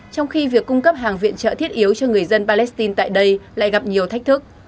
trong khi việc cung cấp hàng viện trợ thiết yếu cho người dân palestine tại đây lại gặp nhiều thách thức